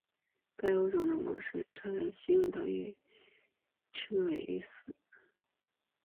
该物种的模式产地在琉球海沟西侧赤尾屿以西。